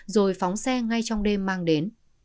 rồi phóng xe ngay trong đêm mang đến